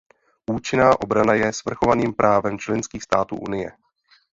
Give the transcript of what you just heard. Účinná obrana je svrchovaným právem členských států Unie.